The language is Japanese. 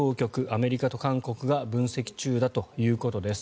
アメリカと韓国が分析中だということです。